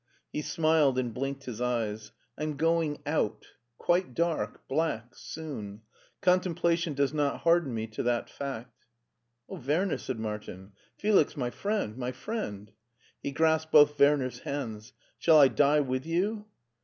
He smiled and blinked his eyes. " I'm going out. Quite dark — ^black — soon. Contemplation does not harden me to that fact." " Oh, Werner !" said Martin ;" Felix, my friend, my friend!" He grasped both Werner's hands. "Shall I die with you?"